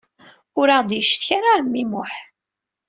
Ur aɣ-d-yeccetka ara ɛemmi Muḥ.